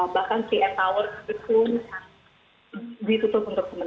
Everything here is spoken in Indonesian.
bahkan si air tower itu ditutup untuk sementara